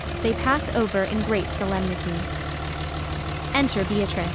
They pass over in great solemnity. Enter BEATRICE.